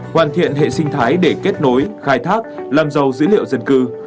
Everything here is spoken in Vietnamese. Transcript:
hoàn thiện hệ sinh thái để kết nối khai thác làm giàu dữ liệu dân cư